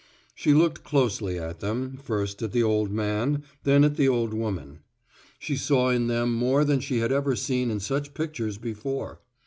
She looked closely at them, first at the old man, then at the old woman. She saw in them more than she had ever seen in such pictures before.